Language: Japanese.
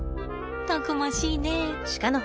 たくましいね。